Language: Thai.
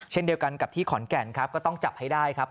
เช่นเดียวกันกับที่ขอนแก่นครับก็ต้องจับให้ได้ครับ